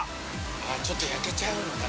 ちょっと焼けちゃうのかな？